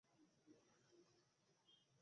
এটা কেনো ছাপিয়েছো?